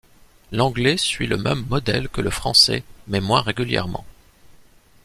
L'anglais suit le même modèle que le français mais moins régulièrement.